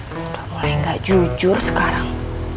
mulai gak jujur sekarang